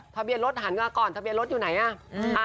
ทะเบียนรถหันมาก่อนทะเบียนรถอยู่ไหนอ่ะ